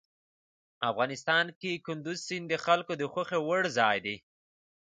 افغانستان کې کندز سیند د خلکو د خوښې وړ ځای دی.